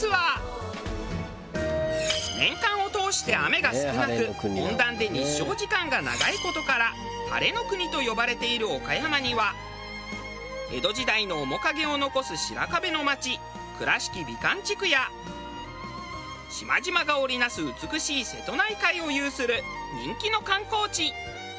年間を通して雨が少なく温暖で日照時間が長い事から晴れの国と呼ばれている岡山には江戸時代の面影を残す白壁の町倉敷美観地区や島々が織り成す美しい瀬戸内海を有する人気の観光地。